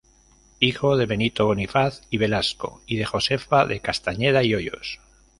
Hijo de Benito Bonifaz y Velasco, y de Josefa de Castañeda y Hoyos.